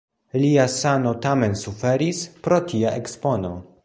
Lia sano tamen suferis pro tia ekspono.